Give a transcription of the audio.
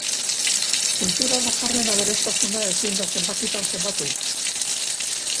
Kulturak dakarren aberastasuna ezin da zenbakitan zenbatu.